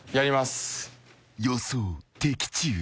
［予想的中だ］